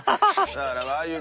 だからああいう